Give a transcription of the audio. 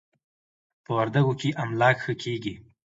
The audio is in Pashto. په وردکو کې املاک ښه کېږي.